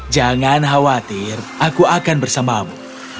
jangan khawatir aku akan bersamamu